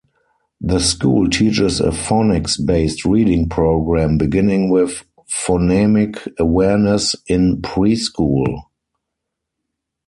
The school teaches a phonics-based reading program, beginning with phonemic awareness in preschool.